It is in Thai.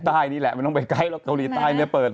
เท่านี้แหละมันไม่ต้องไปใกล้